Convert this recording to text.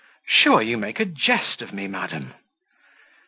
Sure you make a jest of me, madam!"